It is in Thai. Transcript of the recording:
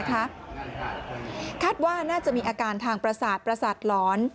คาดว่าน่าจะมีอาการทางประสาทประสาทหลอน